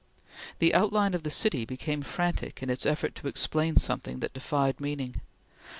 The outline of the city became frantic in its effort to explain something that defied meaning.